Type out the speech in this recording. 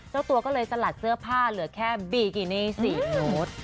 เจ้าตัวก็เลยสลัดเสื้อผ้าเหลือแค่บีกินี่๔โน้ต